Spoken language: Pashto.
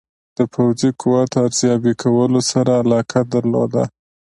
د پوځي قوت ارزیابي کولو سره علاقه درلوده.